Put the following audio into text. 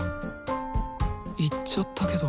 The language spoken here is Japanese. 行っちゃったけど。